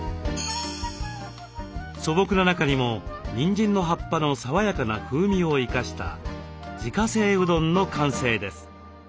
素朴な中にもにんじんの葉っぱの爽やかな風味を生かした自家製うどんの完成です。